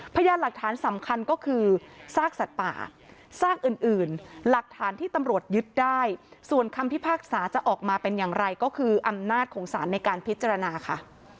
พยานหลักฐานสำคัญก็คือซากสัตว์ป่าซากอื่นหลักฐานที่ตำรวจยึดได้ส่วนคำพิพากษาจะออกมาเป็นอย่างไรก็คืออำนาจของสารในการพิจารณาค่ะ